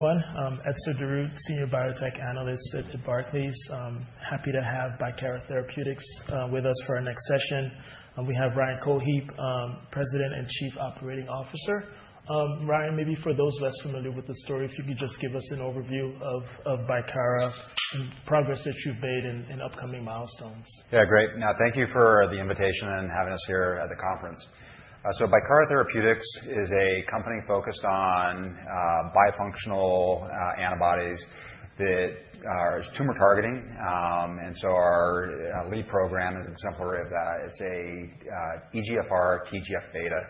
One, Carter Gould, Senior Biotech Analyst at Barclays. Happy to have Bicara Therapeutics with us for our next session. We have Ryan Cohlhepp, President and Chief Operating Officer. Ryan, maybe for those less familiar with the story, could you just give us an overview of Bicara and progress that you've made in upcoming milestones? Yeah, great. Now, thank you for the invitation and having us here at the conference. So Bicara Therapeutics is a company focused on bifunctional antibodies that are tumor-targeting. Our lead program is an example of that. It's a EGFR TGF-beta.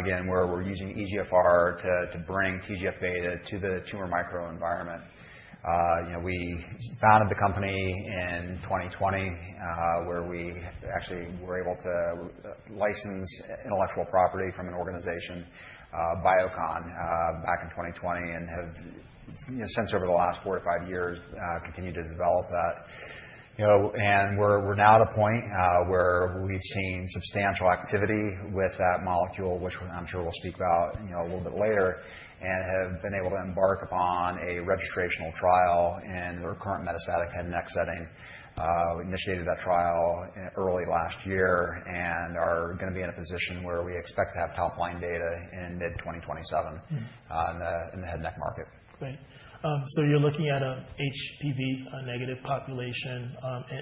Again, where we're using EGFR to bring TGF-beta to the tumor microenvironment. You know, we founded the company in 2020, where we actually were able to license intellectual property from an organization, Biocon, back in 2020, and have, you know, since over the last 4 years-5 years, continued to develop that. You know, we're now at a point where we've seen substantial activity with that molecule, which I'm sure we'll speak about, you know, a little bit later, and have been able to embark upon a registrational trial in the recurrent metastatic head and neck setting. We initiated that trial in early last year and are gonna be in a position where we expect to have top-line data in mid-2027. Mm-hmm. in the head and neck market. You're looking at a HPV-negative population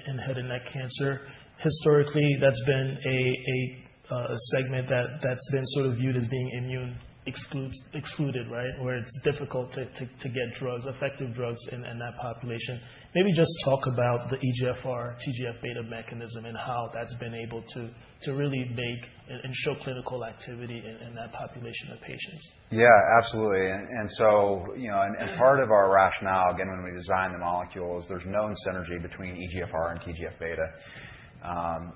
in head and neck cancer. Historically, that's been a segment that's been sort of viewed as being immune excluded, right? Where it's difficult to get drugs, effective drugs in that population. Maybe just talk about the EGFR TGF-beta mechanism and how that's been able to really make and show clinical activity in that population of patients. Yeah, absolutely. You know, part of our rationale, again, when we designed the molecule is there's known synergy between EGFR and TGF-beta.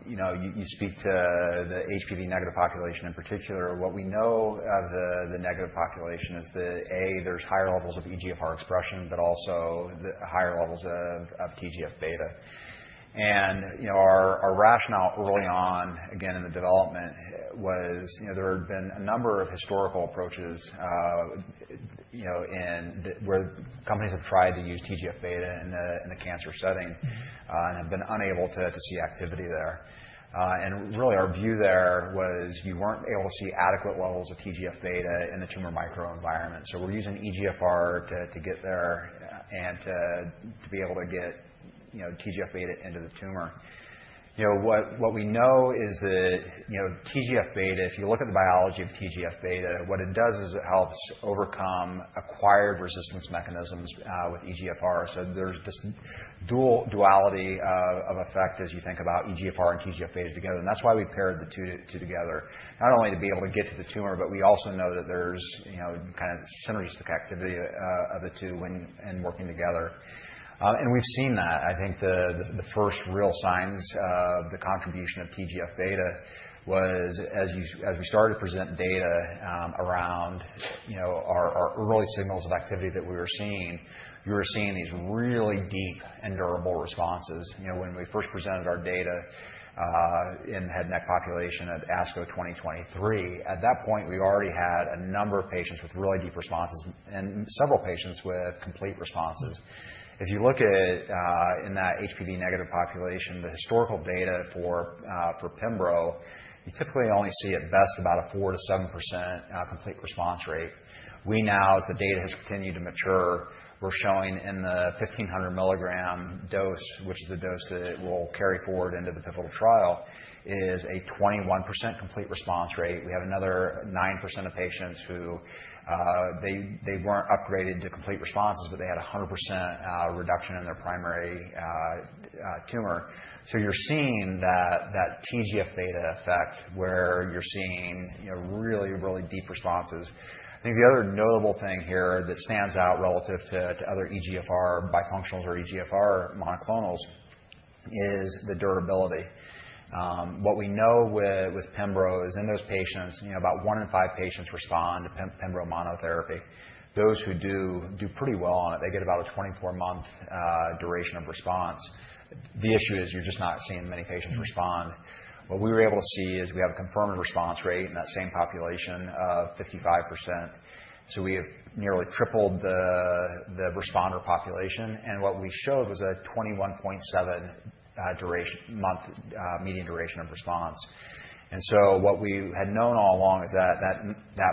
You know, you speak to the HPV negative population in particular. What we know of the negative population is that, A, there's higher levels of EGFR expression, but also the higher levels of TGF-beta. You know, our rationale early on, again, in the development was, you know, there had been a number of historical approaches, you know, where companies have tried to use TGF-beta in a cancer setting. Mm-hmm. have been unable to see activity there. Really, our view there was you weren't able to see adequate levels of TGF-beta in the tumor microenvironment. We're using EGFR to get there and to be able to get, you know, TGF-beta into the tumor. You know, what we know is that, you know, TGF-beta, if you look at the biology of TGF-beta, what it does is it helps overcome acquired resistance mechanisms with EGFR. There's this duality of effect as you think about EGFR and TGF-beta together, and that's why we paired the two together. Not only to be able to get to the tumor, but we also know that there's, you know, kind of synergistic activity of the two when in working together. We've seen that. I think the first real signs of the contribution of TGF-beta was as we started to present data around you know our early signals of activity that we were seeing these really deep and durable responses. You know, when we first presented our data in head and neck population at ASCO 2023, at that point, we already had a number of patients with really deep responses and several patients with complete responses. If you look at in that HPV negative population, the historical data for Pembro, you typically only see at best about a 4%-7% complete response rate. We now, as the data has continued to mature, we're showing in the 1500 mg dose, which is the dose that it will carry forward into the pivotal trial, is a 21% complete response rate. We have another 9% of patients who they weren't upgraded to complete responses, but they had a 100% reduction in their primary tumor. You're seeing that TGF-beta effect where you're seeing, you know, really, really deep responses. I think the other notable thing here that stands out relative to other EGFR bifunctionals or EGFR monoclonals is the durability. What we know with Pembro is in those patients, you know, about one in five patients respond to Pembro monotherapy. Those who do pretty well on it. They get about a 24-month duration of response. The issue is you're just not seeing many patients respond. What we were able to see is we have a confirmed response rate in that same population of 55%. We have nearly tripled the responder population. What we showed was a 21.7-month median duration of response. What we had known all along is that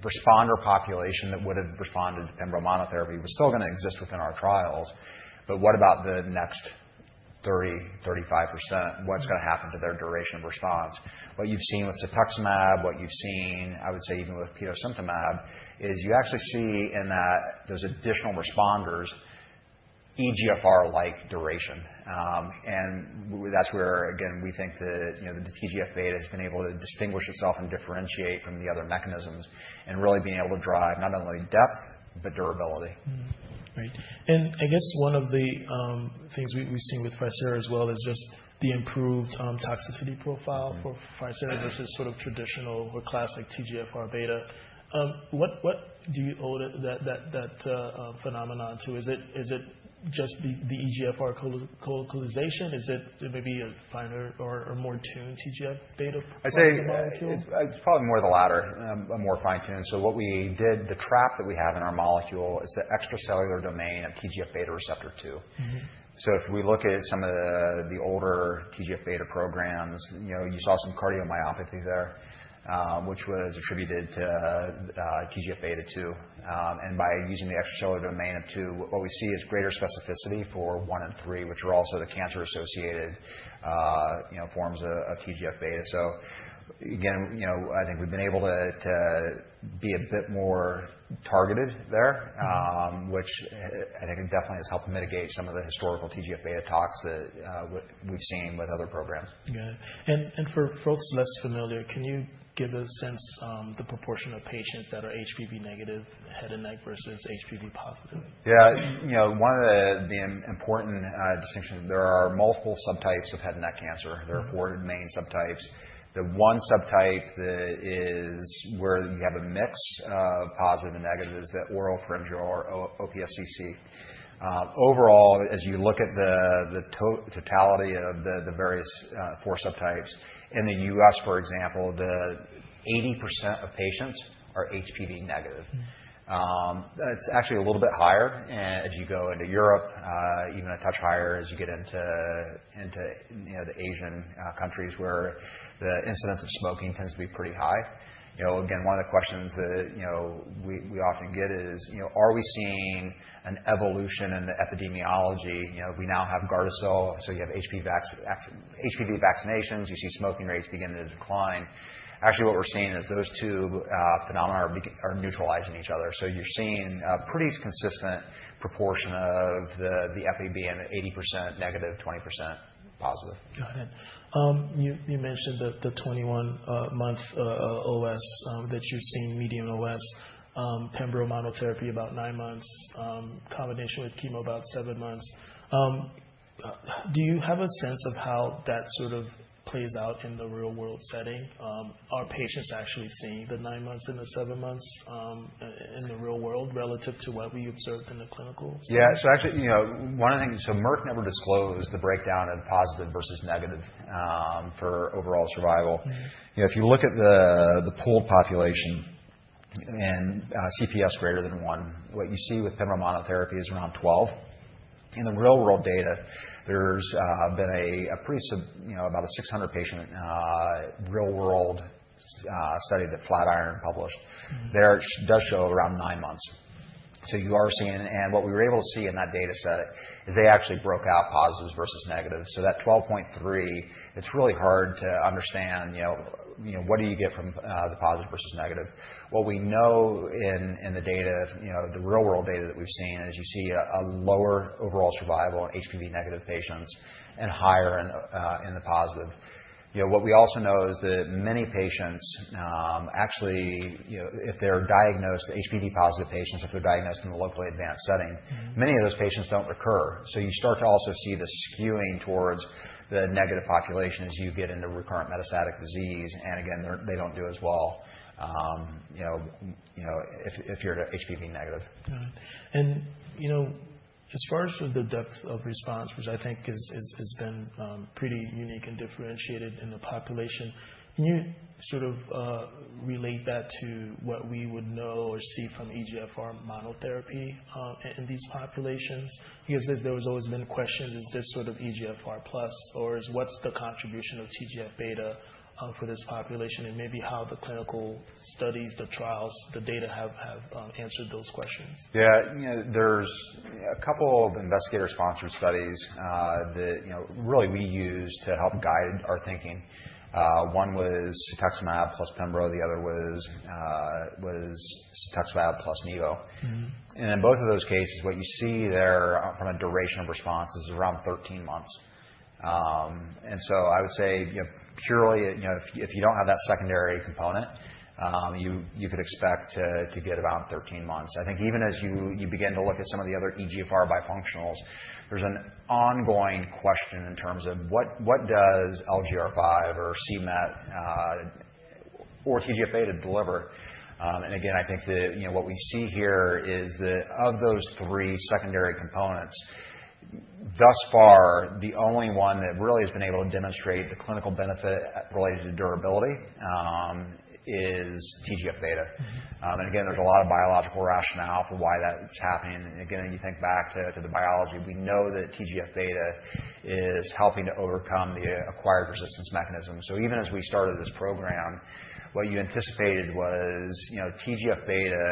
responder population that would've responded to Pembro monotherapy was still gonna exist within our trials. But what about the next 35%? What's gonna happen to their duration of response? What you've seen with Cetuximab, what you've seen, I would say even with pembrolizumab, is you actually see in that those additional responders EGFR-like duration. That's where again, we think the, you know, the TGF-beta has been able to distinguish itself and differentiate from the other mechanisms and really being able to drive not only depth, but durability. Great. I guess one of the things we've seen with ficerasfusp alfa as well is just the improved toxicity profile for ficerasfusp alfa versus sort of traditional or classic TGF-beta. What do you owe that phenomenon to? Is it just the EGFR co-localization? Is it maybe a finer or more tuned TGF-beta molecule? I'd say it's probably more the latter, a more fine-tuned. What we did, the trap that we have in our molecule is the extracellular domain of TGF-beta receptor two. Mm-hmm. If we look at some of the older TGF-beta programs, you know, you saw some cardiomyopathy there, which was attributed to TGF-beta 2. By using the extracellular domain of two, what we see is greater specificity for one and three, which are also the cancer-associated, you know, forms of TGF-beta. Again, you know, I think we've been able to be a bit more targeted there, which I think definitely has helped mitigate some of the historical TGF-beta toxicities that we've seen with other programs. Got it. For folks less familiar, can you give a sense on the proportion of patients that are HPV negative head and neck versus HPV positive? Yeah. You know, one of the important distinction. There are multiple subtypes of head and neck cancer. Mm-hmm. There are four main subtypes. The one subtype that is where you have a mix of positive and negatives that oropharyngeal or OPSCC. Overall, as you look at the totality of the various four subtypes. In the U.S., for example, 80% of patients are HPV negative. It's actually a little bit higher as you go into Europe, even a touch higher as you get into, you know, the Asian countries where the incidence of smoking tends to be pretty high. You know, again, one of the questions that, you know, we often get is, you know, are we seeing an evolution in the epidemiology? You know, we now have Gardasil, so you have HPV vaccinations, you see smoking rates beginning to decline. Actually, what we're seeing is those two phenomena are neutralizing each other. You're seeing a pretty consistent proportion of the HPV in 80% negative, 20% positive. Go ahead. You mentioned the 21-month OS that you're seeing median OS, pembro monotherapy about 9-months, combination with chemo about 7 months. Do you have a sense of how that sort of plays out in the real world setting? Are patients actually seeing the 9-months and the 7-months in the real world relative to what we observed in the clinical? Merck never disclosed the breakdown of positive versus negative for overall survival. Mm-hmm. You know, if you look at the pooled population and CPS greater than one, what you see with pembro monotherapy is around 12. In the real world data, there's been a pretty you know, about a 600 patient real-world study that Flatiron published. Mm-hmm. There it does show around nine months. You are seeing what we were able to see in that data set is they actually broke out positives versus negatives. That 12.3, it's really hard to understand, you know, what do you get from the positive versus negative. What we know in the data, you know, the real-world data that we've seen is you see a lower overall survival in HPV negative patients and higher in the positive. You know, what we also know is that many patients, actually, you know, if they're diagnosed HPV positive patients in the locally advanced setting. Mm-hmm. Many of those patients don't recur. You start to also see the skewing towards the negative population as you get into recurrent metastatic disease, and again, they don't do as well, you know, if you're HPV negative. Got it. You know, as far as for the depth of response, which I think has been pretty unique and differentiated in the population, can you sort of relate that to what we would know or see from EGFR monotherapy in these populations? Because there has always been questions, is this sort of EGFR plus or is what's the contribution of TGF-beta for this population? Maybe how the clinical studies, the trials, the data have answered those questions. Yeah. You know, there's a couple of investigator-sponsored studies that you know really we use to help guide our thinking. One was Cetuximab plus pembro, the other was Cetuximab plus nivolumab. Mm-hmm. In both of those cases, what you see there from a duration of response is around 13-months. I would say, you know, purely, you know, if you don't have that secondary component, you could expect to get about 13-months. I think even as you begin to look at some of the other EGFR bifunctionals, there's an ongoing question in terms of what does LGR5 or c-Met or TGF-beta deliver? I think you know, what we see here is that of those three secondary components, thus far, the only one that really has been able to demonstrate the clinical benefit related to durability is TGF-beta. Mm-hmm. Again, there's a lot of biological rationale for why that's happening. Again, when you think back to the biology, we know that TGF-beta is helping to overcome the acquired resistance mechanism. Even as we started this program, what you anticipated was, you know, TGF-beta,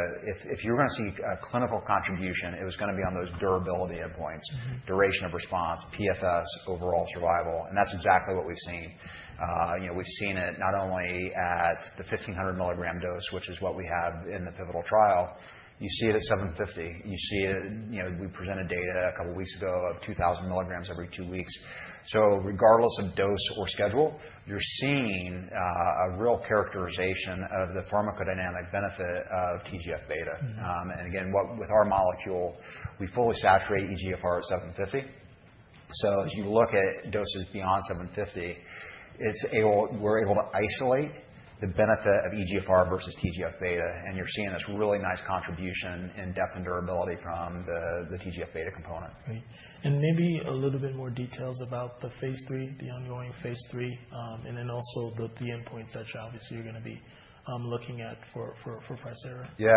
if you were gonna see a clinical contribution, it was gonna be on those durability endpoints. Mm-hmm. Duration of response, PFS, overall survival, and that's exactly what we've seen. You know, we've seen it not only at the 1500 milligram dose, which is what we have in the pivotal trial. You see it at 750, you see it. You know, we presented data a couple weeks ago of 2000 milligrams every two weeks. Regardless of dose or schedule, you're seeing a real characterization of the pharmacodynamic benefit of TGF-beta. Mm-hmm. With our molecule, we fully saturate EGFR at 750. As you look at doses beyond 750, we're able to isolate the benefit of EGFR versus TGF-beta, and you're seeing this really nice contribution in depth and durability from the TGF-beta component. Great. Maybe a little bit more details about the phase III, the ongoing phase III, and then also the key endpoints that you obviously you're gonna be looking at for ficerasfusp alfa. Yeah.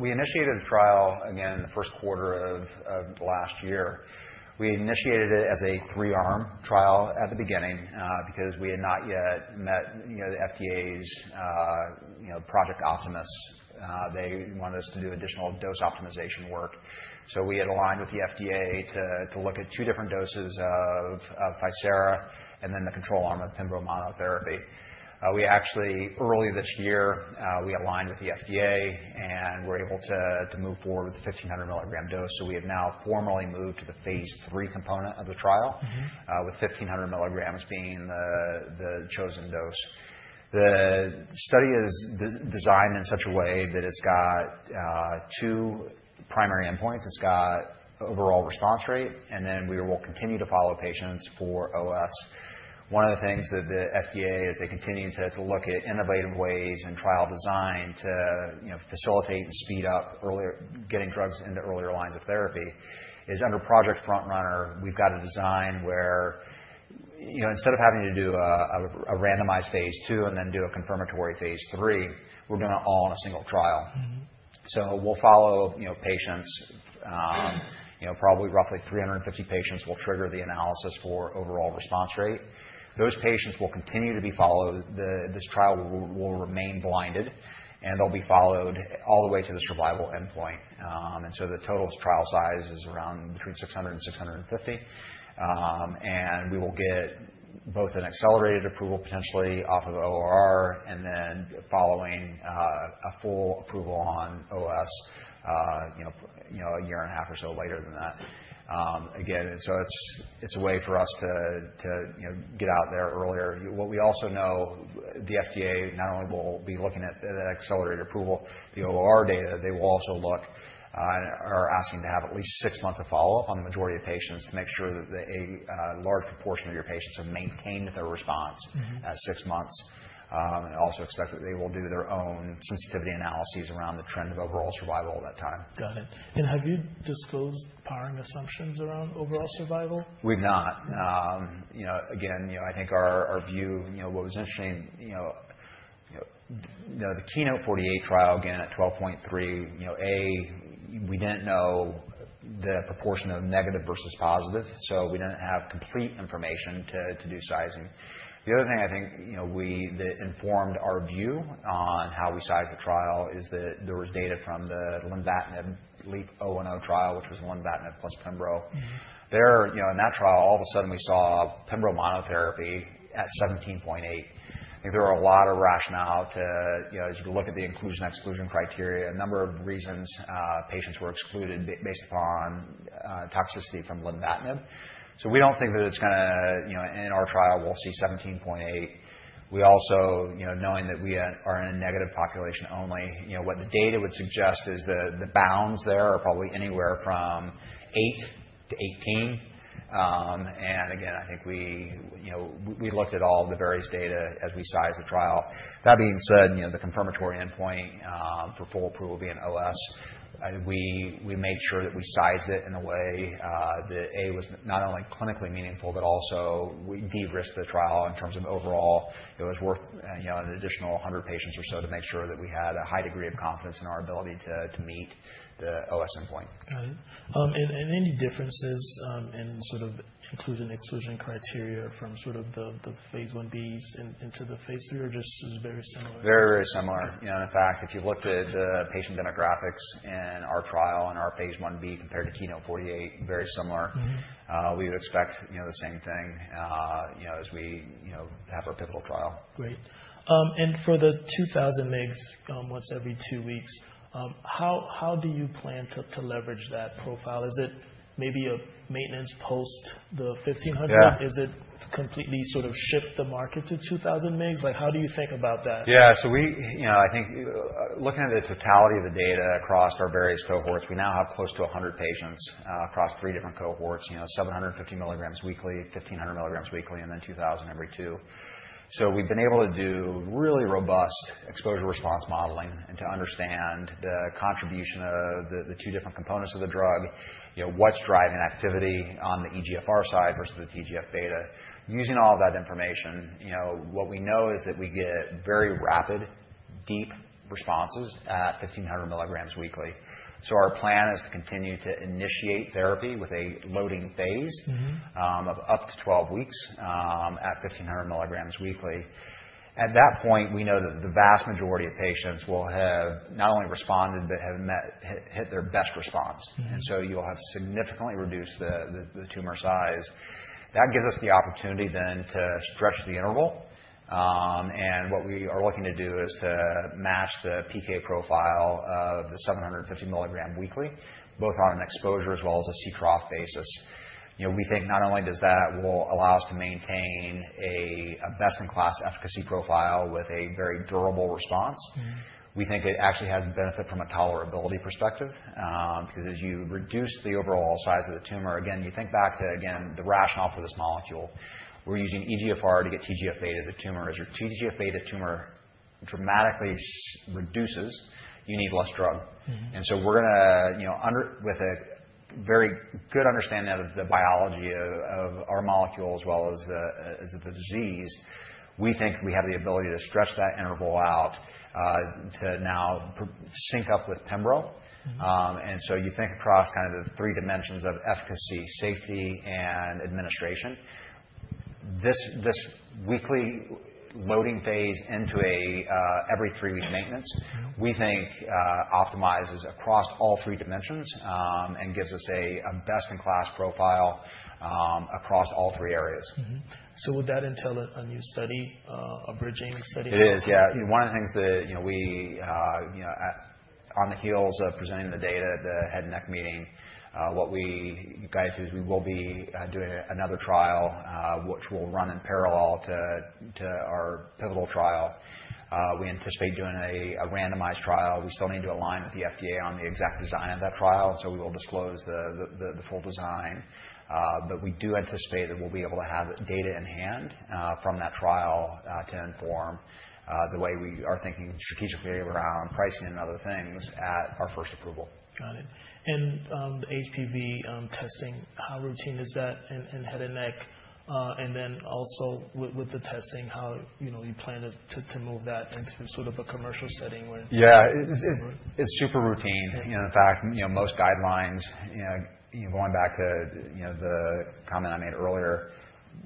We initiated the trial again in the first quarter of last year. We initiated it as a three-arm trial at the beginning, because we had not yet met, you know, the FDA's, you know, Project Optimus. They wanted us to do additional dose optimization work. We had aligned with the FDA to look at two different doses of ficerasfusp alfa, and then the control arm of pembro monotherapy. Early this year, we aligned with the FDA, and we're able to move forward with the 1,500 mg dose. We have now formally moved to the phase III component of the trial. Mm-hmm. with 1,500 milligrams being the chosen dose. The study is designed in such a way that it's got two primary endpoints. It's got overall response rate, and then we will continue to follow patients for OS. One of the things that the FDA, as they continue to look at innovative ways and trial design to, you know, facilitate and speed up earlier getting drugs into earlier lines of therapy, is under Project FrontRunner, we've got a design where, you know, instead of having to do a randomized phase II and then do a confirmatory phase III, we're doing it all in a single trial. Mm-hmm. We'll follow, you know, patients, you know, probably roughly 350 patients will trigger the analysis for overall response rate. Those patients will continue to be followed. This trial will remain blinded, and they'll be followed all the way to the survival endpoint. The total trial size is around between 600 and 650. We will get both an accelerated approval potentially off of the ORR, and then following, a full approval on OS, you know, a year and a half or so later than that. It's a way for us to, you know, get out there earlier. What we also know, the FDA not only will be looking at the accelerated approval, the ORR data, they will also look, and are asking to have at least six months of follow-up on the majority of patients to make sure that a large proportion of your patients have maintained their response. Mm-hmm. at six months. Expect that they will do their own sensitivity analyses around the trend of overall survival at that time. Got it. Have you disclosed powering assumptions around overall survival? You know, again, you know, I think our view, you know, what was interesting, you know, the KEYNOTE-048 trial, again, at 12.3, you know, we didn't know the proportion of negative versus positive, so we didn't have complete information to do sizing. The other thing I think, you know, that informed our view on how we size the trial is that there was data from the lenvatinib LEAP-010 trial, which was lenvatinib plus pembro. Mm-hmm. There, you know, in that trial, all of a sudden we saw pembro monotherapy at 17.8%. I think there were a lot of rationale to, you know, as you look at the inclusion/exclusion criteria, a number of reasons, patients were excluded based upon toxicity from lenvatinib. So we don't think that it's gonna. You know, in our trial, we'll see 17.8%. We also, you know, knowing that we are in a negative population only, you know, what the data would suggest is the bounds there are probably anywhere from 8%-18%. I think we, you know, we looked at all the various data as we size the trial. That being said, you know, the confirmatory endpoint for full approval being OS, we made sure that we sized it in a way that A was not only clinically meaningful, but also we de-risked the trial in terms of overall it was worth, you know, an additional 100 patients or so to make sure that we had a high degree of confidence in our ability to meet the OS endpoint. Got it. Any differences in sort of inclusion/exclusion criteria from sort of the phase IBs into the phase III or just is very similar? Very, very similar. You know, in fact, if you looked at the patient demographics in our trial and our phase I-B compared to KEYNOTE-048, very similar. Mm-hmm. We would expect, you know, the same thing, you know, as we, you know, have our pivotal trial. Great. For the 2000 mgs, once every two weeks, how do you plan to leverage that profile? Is it maybe a maintenance post the 1500? Yeah. Is it to completely sort of shift the market to 2000 mgs? Like, how do you think about that? Yeah. You know, I think looking at the totality of the data across our various cohorts, we now have close to 100 patients across three different cohorts, you know, 750 milligrams weekly, 1,500 milligrams weekly, and then 2,000 every two. We've been able to do really robust exposure-response modeling and to understand the contribution of the two different components of the drug, you know, what's driving activity on the EGFR side versus the TGF-beta. Using all that information, you know, what we know is that we get very rapid, deep responses at 1,500 milligrams weekly. Our plan is to continue to initiate therapy with a loading phase. Mm-hmm. of up to 12 weeks, at 1,500 milligrams weekly. At that point, we know that the vast majority of patients will have not only responded but have hit their best response. Mm-hmm. You'll have significantly reduced the tumor size. That gives us the opportunity to stretch the interval. What we are looking to do is to match the PK profile of the 750 milligram weekly, both on an exposure as well as a Ctrough basis. We think not only does that will allow us to maintain a best-in-class efficacy profile with a very durable response. Mm-hmm. We think it actually has benefit from a tolerability perspective. Because as you reduce the overall size of the tumor, again, you think back to, again, the rationale for this molecule. We're using EGFR to get TGF-beta. The tumor is your TGF-beta tumor dramatically reduces, you need less drug. Mm-hmm. We're gonna, you know, with a very good understanding of the biology of our molecule as well as the disease, we think we have the ability to stretch that interval out, to now sync up with pembro. Mm-hmm. You think across kind of the three dimensions of efficacy, safety, and administration. This weekly loading phase into a every three-week maintenance- Mm-hmm. We think optimizes across all three dimensions and gives us a best-in-class profile across all three areas. Mm-hmm. Would that entail a new study, a bridging study? It is. Yeah. One of the things that, you know, we, you know, on the heels of presenting the data at the head and neck meeting, what we guided through is we will be doing another trial, which will run in parallel to our pivotal trial. We anticipate doing a randomized trial. We still need to align with the FDA on the exact design of that trial, and so we will disclose the full design. But we do anticipate that we'll be able to have data in hand from that trial to inform the way we are thinking strategically around pricing and other things at our first approval. Got it. The HPV testing, how routine is that in head and neck? Then also with the testing, how you know you plan to move that into sort of a commercial setting where Yeah. It's super routine. You know, in fact, you know, most guidelines, you know, going back to, you know, the comment I made earlier,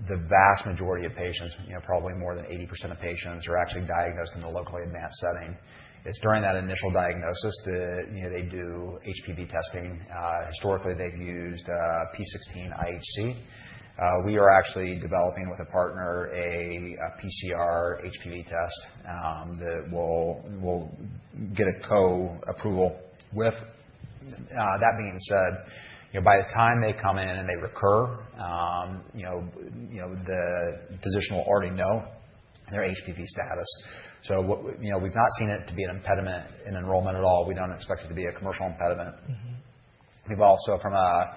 the vast majority of patients, you know, probably more than 80% of patients are actually diagnosed in the locally advanced setting. It's during that initial diagnosis that, you know, they do HPV testing. Historically, they've used p16 IHC. We are actually developing with a partner a PCR HPV test that we'll get a co-approval with. That being said, you know, by the time they come in and they recur, you know, the physician will already know their HPV status. You know, we've not seen it to be an impediment in enrollment at all. We don't expect it to be a commercial impediment. Mm-hmm. We've also from a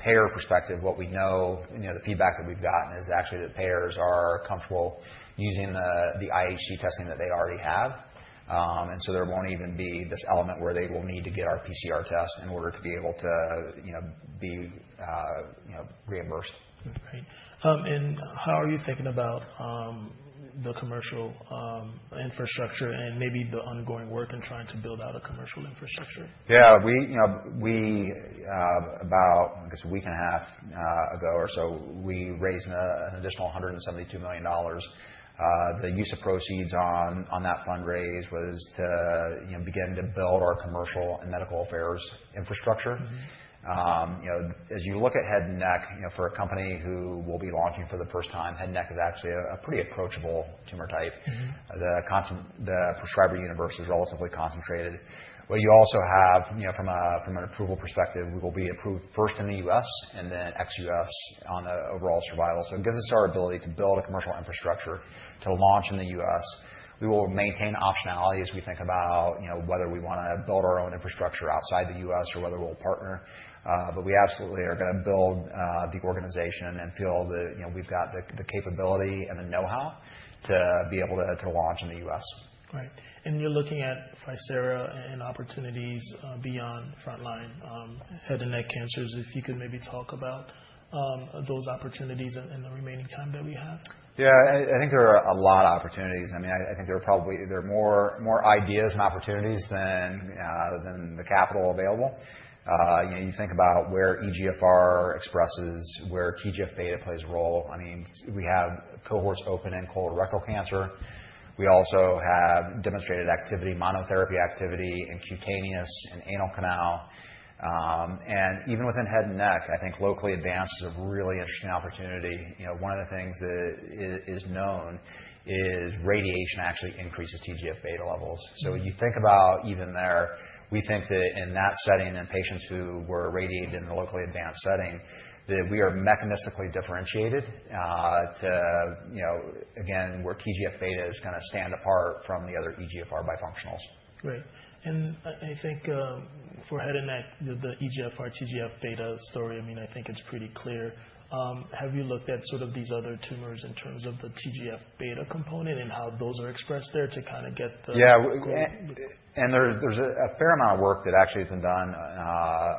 payer perspective, you know, what we know, you know, the feedback that we've gotten is actually the payers are comfortable using the IHC testing that they already have. There won't even be this element where they will need to get our PCR test in order to be able to, you know, be, you know, reimbursed. Great. How are you thinking about the commercial infrastructure and maybe the ongoing work in trying to build out a commercial infrastructure? Yeah. We, you know, about a week and a half ago or so, we raised an additional $172 million. The use of proceeds on that fundraise was to, you know, begin to build our commercial and medical affairs infrastructure. Mm-hmm. You know, as you look at head and neck, you know, for a company who will be launching for the first time, head and neck is actually a pretty approachable tumor type. Mm-hmm. The prescriber universe is relatively concentrated. What you also have, you know, from an approval perspective, we will be approved first in the U.S. and then ex-U.S. on the overall survival. It gives us our ability to build a commercial infrastructure to launch in the U.S. We will maintain optionality as we think about, you know, whether we wanna build our own infrastructure outside the U.S. or whether we'll partner. We absolutely are gonna build the organization and feel that, you know, we've got the capability and the know-how to be able to launch in the U.S. Right. You're looking at ficerasfusp alfa and opportunities beyond frontline head and neck cancers. If you could maybe talk about those opportunities in the remaining time that we have. Yeah. I think there are a lot of opportunities. I mean, I think there are probably. There are more ideas and opportunities than the capital available. You know, you think about where EGFR expresses, where TGF-beta plays a role. I mean, we have cohorts open in colorectal cancer. We also have demonstrated activity, monotherapy activity in cutaneous and anal canal. Even within head and neck, I think locally advanced is a really interesting opportunity. You know, one of the things that is known is radiation actually increases TGF-beta levels. Mm-hmm. You think about even there, we think that in that setting, in patients who were irradiated in the locally advanced setting, that we are mechanistically differentiated, to, you know, again, where TGF-beta is kinda stand apart from the other EGFR bifunctionals. Great. I think for head and neck, the EGFR TGF-beta story, I mean, I think it's pretty clear. Have you looked at sort of these other tumors in terms of the TGF-beta component and how those are expressed there to kinda get the- Yeah. -great- There's a fair amount of work that actually has been done.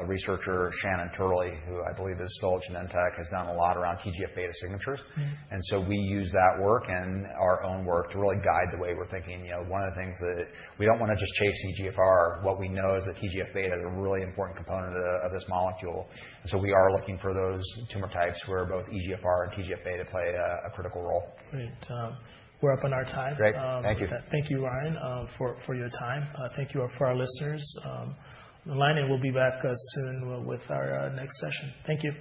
A researcher, Shannon Turley, who I believe is still at Genentech, has done a lot around TGF-beta signatures. Mm-hmm. We use that work and our own work to really guide the way we're thinking. You know, one of the things that we don't wanna just chase EGFR. What we know is that TGF-beta is a really important component of this molecule. We are looking for those tumor types where both EGFR and TGF-beta play a critical role. Great. We're up on our time. Great. Thank you. With that, thank you, Ryan, for your time. Thank you for our listeners. Line in, we'll be back soon with our next session. Thank you.